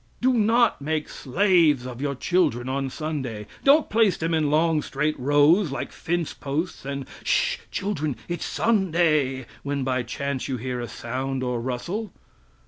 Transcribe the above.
Do not make slaves of your children on Sunday. Don't place them in long, straight rows, like fence posts, and "Sh! children, it's Sunday!" when by chance you hear a sound or rustle.